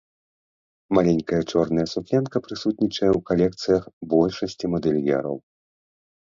Маленькая чорная сукенка прысутнічае ў калекцыях большасці мадэльераў.